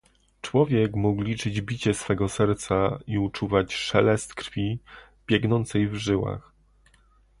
"Człowiek mógł liczyć bicie swego serca i uczuwać szelest krwi, biegnącej w żyłach."